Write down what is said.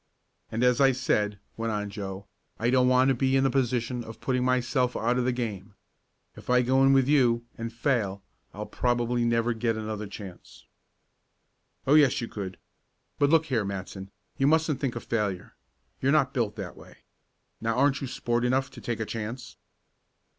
"And, as I said," went on Joe, "I don't want to be in the position of putting myself out of the game. If I go in with you, and fail, I probably never could get another chance." "Oh, yes you could. But look here, Matson, you mustn't think of failure. You're not built that way. Now aren't you sport enough to take a chance?"